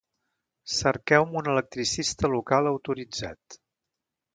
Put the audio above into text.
Cerqueu-me un electricista local autoritzat.